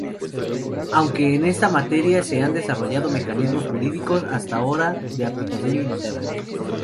Aunque en esta materia se han desarrollado mecanismos jurídicos, hasta ahora de aplicación limitada.